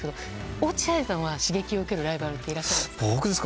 落合さんは刺激を受けるライバルいらっしゃいますか？